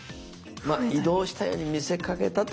まあ移動したように見せかけたと。